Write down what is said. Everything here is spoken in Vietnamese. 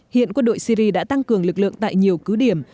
hiện quân đội syri đã tăng cường lực lượng tại nhiều cứ điểm